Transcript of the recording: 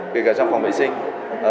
kể cả trong phòng vệ sinh